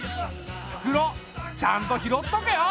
袋ちゃんと拾っとけよ。